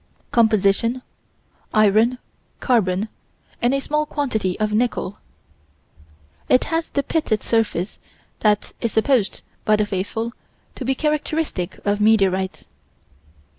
Composition iron, carbon, and a small quantity of nickel. It has the pitted surface that is supposed by the faithful to be characteristic of meteorites.